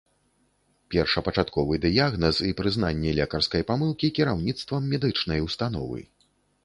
Першапачатковы дыягназ і прызнанне лекарскай памылкі кіраўніцтвам медычнай установы.